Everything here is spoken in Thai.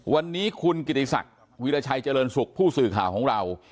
วันนี้คุณกิติศักดิ์วิราชัยเจริญสุขผู้สื่อข่าวของเรา